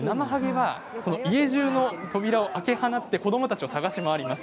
家じゅうの扉を開け放って子どもたちを探し回ります。